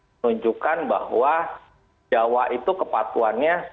menunjukkan bahwa jawa itu kepatuannya